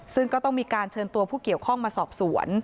ซึ่งก็ต้องมีการเชิญตัวผู้เกี่ยวข้องมาสอบสวน